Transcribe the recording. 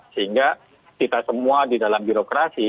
sehingga kita semua di dalam birokrasi